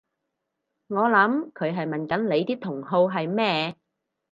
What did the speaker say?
我諗佢係問緊你啲同好係咩？